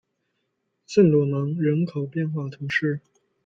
圣罗芒人口变化图示